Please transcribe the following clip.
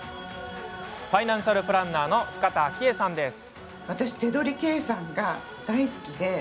ファイナンシャルプランナーの深田晶恵さんです。